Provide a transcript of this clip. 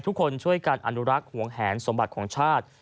ทุกคนช่วยกันอนุรักษ์หวงแหนสมบัติของชาติ